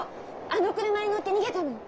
あの車に乗って逃げたの！